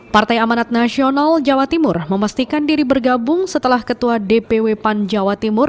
partai amanat nasional jawa timur memastikan diri bergabung setelah ketua dpw pan jawa timur